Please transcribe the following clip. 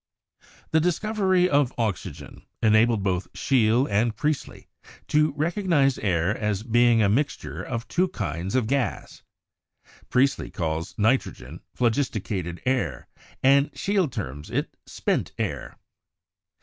The discovery of oxygen enabled both Scheele and Priestley to recognize air as being a mixture of two kinds of gas; Priestley calls nitrogen Thlogisticated air/ and Scheele terms it 'spent air.'